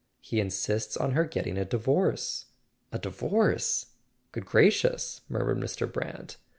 He insists on her getting a divorce." "A divorce? Good gracious," murmured Mr. Brant.